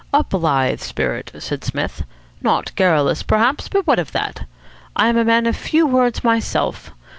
"A blithe spirit," said Psmith. "Not garrulous, perhaps, but what of that? I am a man of few words myself.